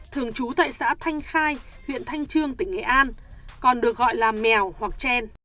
thường trú tại xã thanh khai huyện thanh trương tỉnh nghệ an còn được gọi là mèo hoặc chen